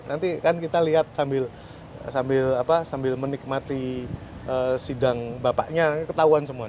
nanti kan kita lihat sambil menikmati sidang bapaknya ketahuan semua